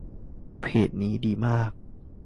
เพจนี้ดีมาก